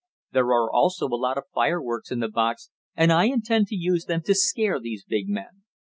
There are also a lot of fireworks in the box, and I intend to use them to scare these big men.